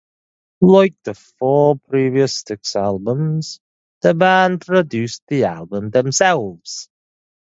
Like the four previous Styx albums, the band produced the album themselves.